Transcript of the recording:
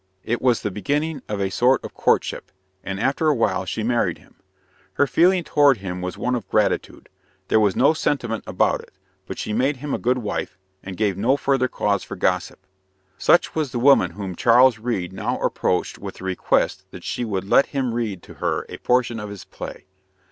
It was the beginning of a sort of courtship; and after a while she married him. Her feeling toward him was one of gratitude. There was no sentiment about it; but she made him a good wife, and gave no further cause for gossip. Such was the woman whom Charles Reade now approached with the request that she would let him read to her a portion of his play.